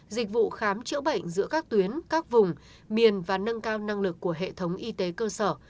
dịch vụ khám chữa bệnh giữa các tuyến các vùng miền và nâng cao năng lực của hệ thống y tế cơ sở